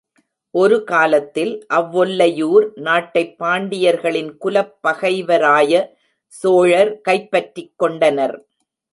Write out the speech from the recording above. ஒரு காலத்தில், அவ்வொல்லையூர் நாட்டைப் பாண்டியர்களின் குலப் பகைவராய சோழர் கைப் பற்றிக் கொண்டனர்.